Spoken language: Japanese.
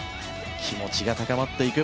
気持ちが高まっていく。